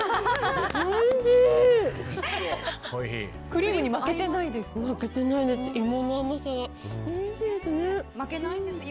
クリームに負けてないですか。